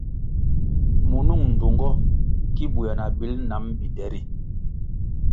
Munung ndtungo ki buéah na bil nam binde ri.